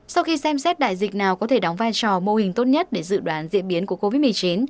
sau khi xem xét đại dịch nào có thể đóng vai trò mô hình tốt nhất để dự đoán diễn biến của covid một mươi chín